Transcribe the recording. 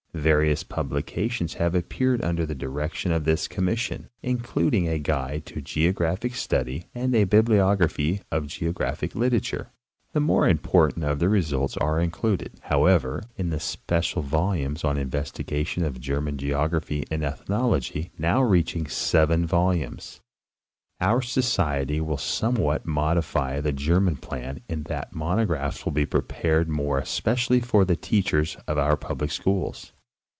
Various publications have appeared under the direction of this commission, including a guide to geographic study and a bibliography of ements literature. The more important of their results are included, however, in the special yolumes on investigation of German geography and ethnology, now reaching seven volumes.* Our Society will somewhat modify the German plan in that the monographs will be prepared more especially for the teachers of our public schools.